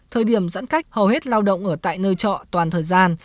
thời điểm giãn cách hầu hết lao động ở tại nơi trọ toàn thời gian